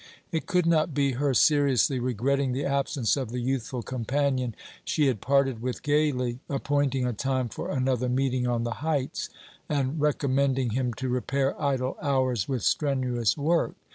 It could not be her seriously regretting the absence of the youthful companion she had parted with gaily, appointing a time for another meeting on the heights, and recommending him to repair idle hours with strenuous work.